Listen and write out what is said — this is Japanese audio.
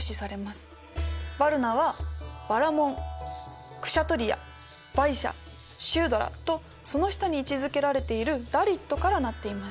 ヴァルナはバラモンクシャトリヤヴァイシャシュードラとその下に位置づけられているダリットから成っています。